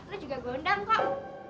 lu juga gue undang kok